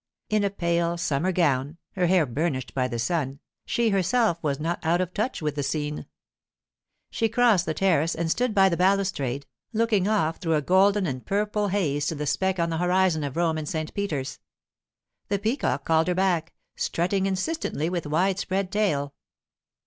In a pale summer gown, her hair burnished by the sun, she herself was not out of touch with the scene. She crossed the terrace and stood by the balustrade, looking off through a golden and purple haze to the speck on the horizon of Rome and St. Peter's. The peacock called her back, strutting insistently with wide spread tail.